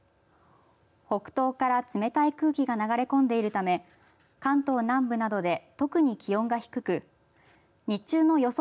北東から冷たい空気が流れ込んでいるため関東南部などで特に気温が低く日中の予想